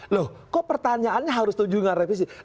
loh kok pertanyaannya harus setuju nggak revisi